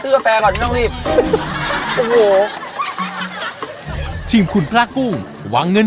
ซื้อแฟแฟก่อนไม่ต้องรีบโอ้โหชิมขุนพลาดกุ้งวางเงิน